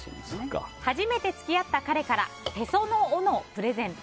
初めて付き合った彼からへその緒のプレゼント。